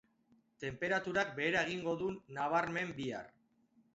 Tenperaturak behera egingo du nabarmen bihar.